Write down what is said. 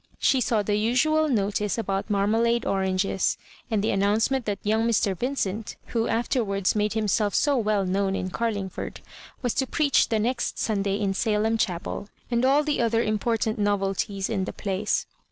She saw the usual notice about marmalade oranges, and the announcement that young Mr. Vincent, who afterwards made himself so well known in Carlingford, was to preach the next Sunday in Salem Chapel, and all the other important novelties in the place.